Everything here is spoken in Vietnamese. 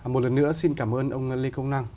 một lần nữa xin cảm ơn ông lê công năng